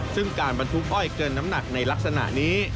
ซึ่งการบรรทุกอ้อยเกินน้ำหนักในลักษณะนี้